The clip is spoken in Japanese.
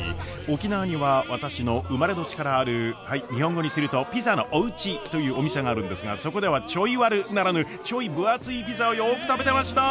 沖縄には私の生まれ年からあるはい日本語にすると「ピザのおうち」というお店があるんですがそこでは「ちょいワル」ならぬちょい分厚いピザをよく食べてました！